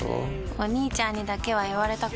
お兄ちゃんにだけは言われたくないし。